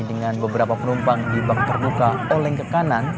dengan beberapa penumpang dibakar luka oleng ke kanan